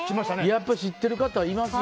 やっぱ知ってる方いますよ。